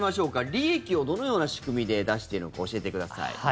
利益をどのような仕組みで出しているのか教えてください。